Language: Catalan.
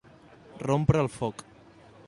Rompre el foc.